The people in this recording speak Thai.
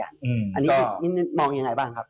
อันนี้มองยังไงบ้างครับ